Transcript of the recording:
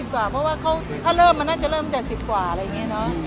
กว่าเพราะว่าถ้าเริ่มมันน่าจะเริ่มตั้งแต่๑๐กว่าอะไรอย่างนี้เนอะ